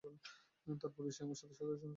তারপরও সে আমার সাথে সদয় আচরণ করেছে।